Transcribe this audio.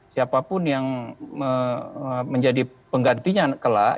siapapun yang menjadi penggantinya kelak